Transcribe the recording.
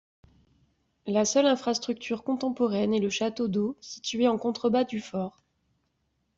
La seule infrastructure contemporaine est le château d'eau, situé au contrebas du fort.